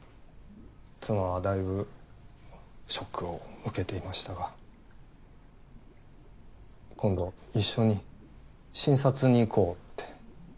妻はだいぶショックを受けていましたが今度一緒に診察に行こうって。